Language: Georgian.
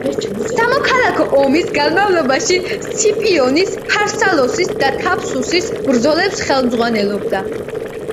სამოქალაქო ომის განმავლობაში სციპიონის ფარსალოსის და თაფსუსის ბრძოლებს ხელმძღვანელობდა.